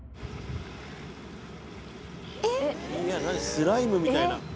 スライムみたいな。